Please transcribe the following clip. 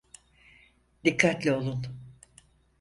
Dikkatli olun.